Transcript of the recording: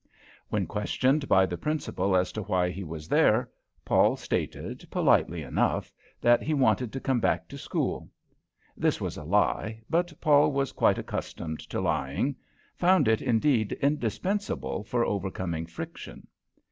When questioned by the Principal as to why he was there, Paul stated, politely enough, that he wanted to come back to school. This was a lie, but Paul was quite accustomed to lying; found it, indeed, indispensable for overcoming friction.